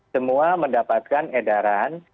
semua mendapatkan edaran